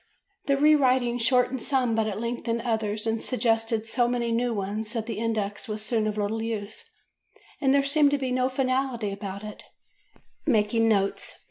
The re writing shortened some but it lengthened others and suggested so many new ones that the index was soon of little use and there seemed to be no finality about it ("Making Notes," pp.